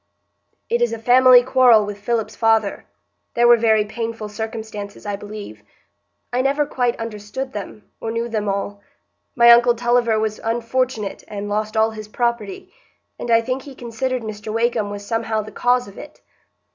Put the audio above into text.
"It is a family quarrel with Philip's father. There were very painful circumstances, I believe. I never quite understood them, or knew them all. My uncle Tulliver was unfortunate and lost all his property, and I think he considered Mr Wakem was somehow the cause of it.